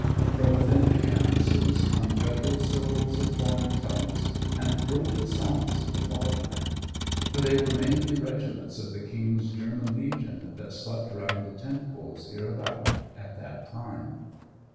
From within the canvases come guttural syllables of foreign tongues, and broken songs of the fatherland; for they were mainly regiments of the King's German Legion that slept round the tent poles hereabout at that time.